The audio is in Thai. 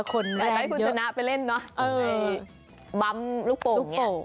ให้คุณชนะไปเล่นนะในบำลูกโป่งเนี่ย